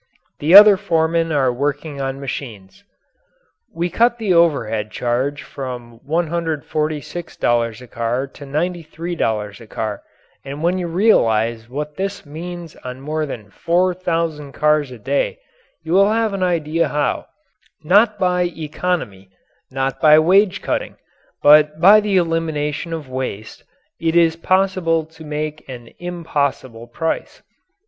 The other foremen are working on machines. We cut the overhead charge from $146 a car to $93 a car, and when you realize what this means on more than four thousand cars a day you will have an idea how, not by economy, not by wage cutting, but by the elimination of waste, it is possible to make an "impossible" price.